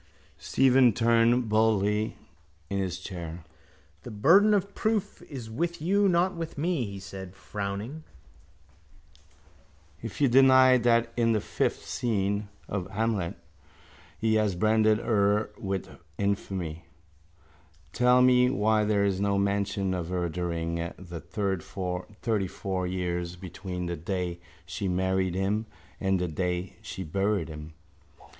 Stephen turned boldly in his chair. —The burden of proof is with you not with me, he said frowning. If you deny that in the fifth scene of Hamlet he has branded her with infamy tell me why there is no mention of her during the thirtyfour years between the day she married him and the day she buried him.